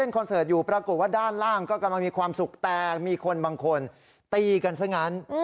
คนบางคนตีกันซะอย่างนั้น